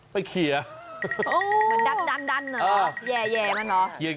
ไม่เขียนเหมือนดันเหมือนแย่มันหรอ